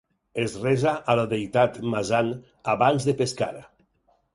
Es resa a la deïtat "Masan" abans de pescar.